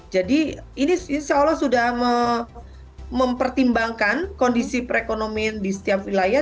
jadi ini insya allah sudah mempertimbangkan kondisi perekonomian di setiap wilayah